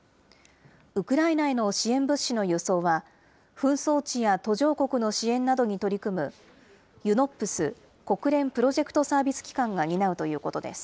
ウクライナへの支援物資の輸送は、紛争地や途上国の支援などに取り組む、ＵＮＯＰＳ・国連プロジェクトサービス機関が担うということです。